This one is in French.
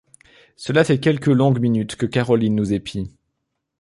Cela fait quelques longues minutes que Carolyn nous épie.